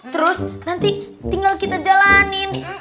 terus nanti tinggal kita jalanin